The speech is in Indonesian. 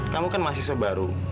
kamu kan mahasiswa baru